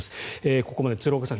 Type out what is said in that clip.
ここまで鶴岡さん